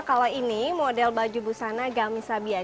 kalau ini model baju busana gami sabian